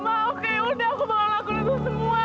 mama oke udah aku bakal ngelakuin itu semua